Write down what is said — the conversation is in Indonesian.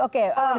tapi ini kan sebut